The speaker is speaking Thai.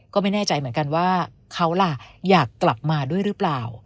ก็ไม่แน่ใจเหมือนกันว่าเขาล่ะอยากกลับมาด้วยหรือเปล่า